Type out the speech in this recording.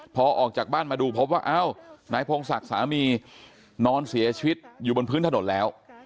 พอออกจากบ้านมาดูพบว่าอ้าวนายพงศักดิ์สามีนอนเสียชีวิตอยู่บนพื้นถนนแล้ว